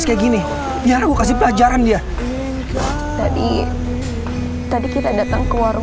dan akhirnya ibu siti yang marah marah